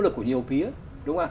nỗ lực của nhiều phía đúng không ạ